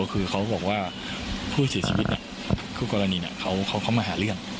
คือเขาบอกว่าผู้เสียชีวิตคู่กรณีเขามาหาเรื่อง